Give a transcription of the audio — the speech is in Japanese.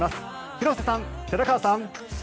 広瀬さん、寺川さん。